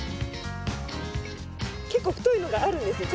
結構太いのがあるんですよ。